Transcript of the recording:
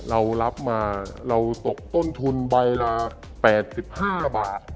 เรารับมาเราตกต้นทุนใบละ๘๕บาท